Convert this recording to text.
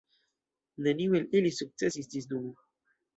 Neniu el ili sukcesis ĝis nun.